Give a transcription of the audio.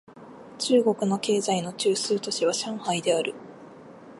中国の経済の中枢都市は上海である